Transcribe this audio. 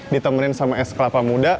ditemenin sama es kelapa muda